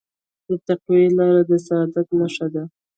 د تقوی لاره د سعادت نښه ده.